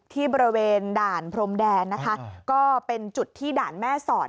ที่บริเวณด่านพรมแดนนะคะก็เป็นจุดที่ด่านแม่สอด